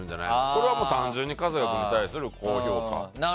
これは単純に春日君に対する高評価。